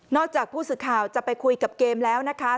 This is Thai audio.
จากผู้สื่อข่าวจะไปคุยกับเกมแล้วนะคะ